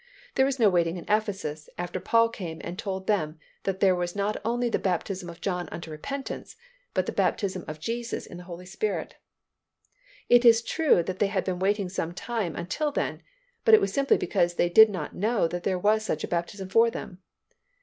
There was no waiting in Ephesus after Paul came and told them that there was not only the baptism of John unto repentance, but the baptism of Jesus in the Holy Spirit. It is true that they had been waiting some time until then, but it was simply because they did not know that there was such a baptism for them.